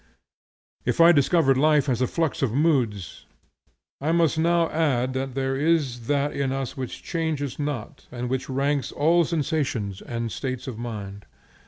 If I have described life as a flux of moods, I must now add that there is that in us which changes not and which ranks all sensations and states of mind.